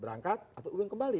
berangkat atau uang kembali